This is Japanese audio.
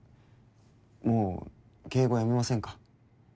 もう敬語やめませんか？